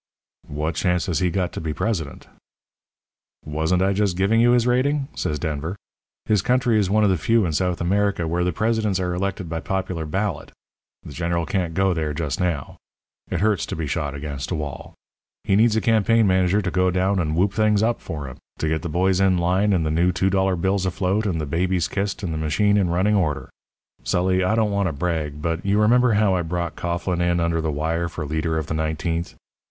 "'What chance has he got to be president?' "'Wasn't I just giving you his rating?' says Denver. 'His country is one of the few in South America where the presidents are elected by popular ballot. The General can't go there just now. It hurts to be shot against a wall. He needs a campaign manager to go down and whoop things up for him to get the boys in line and the new two dollar bills afloat and the babies kissed and the machine in running order. Sully, I don't want to brag, but you remember how I brought Coughlin under the wire for leader of the nineteenth?